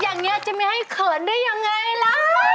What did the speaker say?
อย่างนี้จะไม่ให้เขินได้ยังไงล่ะ